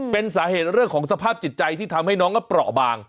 เป็นสาเหตุเรื่องของสภาพจิตใจที่ทำให้น้องก็เปราะบาง